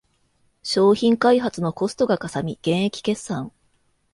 商品開発のコストがかさみ減益決算